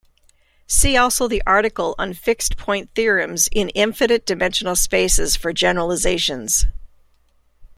See also the article on fixed point theorems in infinite-dimensional spaces for generalizations.